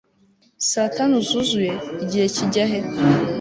saa tanu zuzuye? igihe kijya he